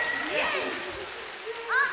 あっ！